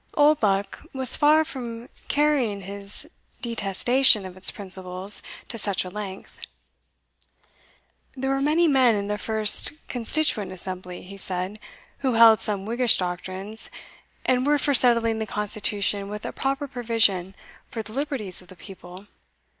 Oldbuck was far from carrying his detestation of its principles to such a length. "There were many men in the first Constituent Assembly," he said, "who held sound Whiggish doctrines, and were for settling the Constitution with a proper provision for the liberties of the people.